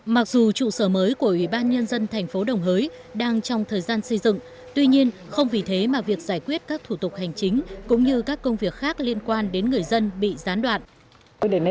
mặc dù trụ sở mới của ủy ban nhân dân thành phố đồng hới đang trong thời gian xây dựng tuy nhiên không vì thế mà việc giải quyết các thủ tục hành chính cũng như các công việc khác liên quan đến người dân bị gián đoạn